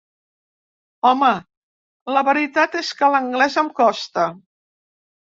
Home, la veritat és que l'anglès em costa.